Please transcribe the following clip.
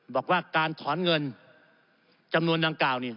บอกว่าการถอนเงินจำนวนดังกล่าว